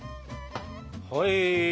はい。